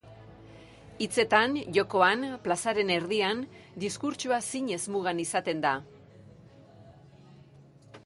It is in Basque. Hitzetan, jokoan, plazaren erdian, diskurtsoa zinez mugan izaten da.